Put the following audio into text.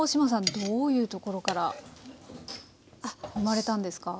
どういうところから生まれたんですか？